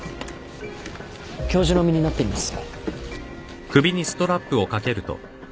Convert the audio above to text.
教授の身になってみます。